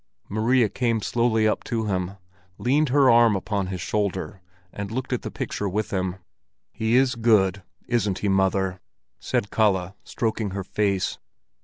Maria came slowly up to him, leaned her arm upon his shoulder, and looked at the picture with him. "He is good, isn't he, mother?" said Kalle, stroking her face.